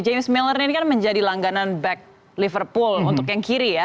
james miller ini kan menjadi langganan back liverpool untuk yang kiri ya